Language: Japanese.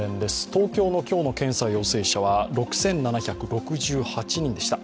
東京の今日の検査陽性者は６７６８人でした。